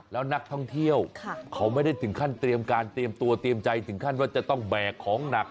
แล้วนักท่องเที่ยวเขาไม่ได้ถึงขั้นเตรียมการเตรียมตัวเตรียมใจถึงขั้นว่าจะต้องแบกของหนัก